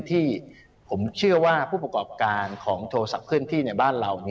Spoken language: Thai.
ที่ผมเชื่อว่าผู้ประกอบการของโทรศัพท์เคลื่อนที่ในบ้านเรา